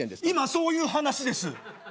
今そういう話です！